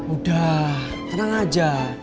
udah tenang aja